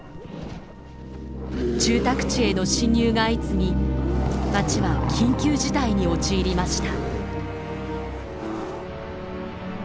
住宅地への侵入が相次ぎ町は緊急事態に陥りました。